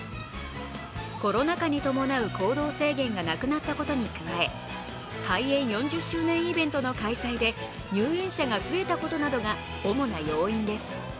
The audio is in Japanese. コロナ禍に伴う行動制限がなくなったことに加え、開園４０周年イベントの開催で入園者が増えたことなどが主な要因です。